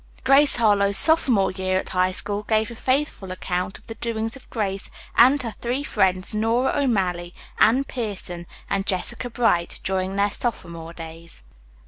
"Grace Harlowe's Sophomore Year at High School" gave a faithful account of the doings of Grace and her three friends, Nora O'Malley, Anne Pierson and Jessica Bright, during their sophomore days.